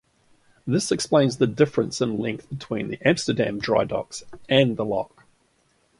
This explains the difference in length between the Amsterdam drydocks and the lock.